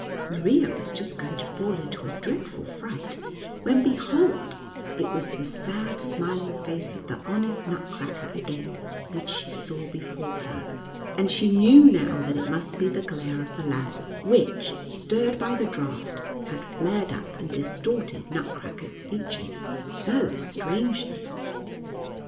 Maria was just going to fall into a dreadful fright, when behold, it was the sad smiling face of the hon est Nutcracker again, which she saw before her, and she knew now that it must be the glare of the lamp, which, stirred by the draught, had flared up, and distorted Nutcracker's features so strangely.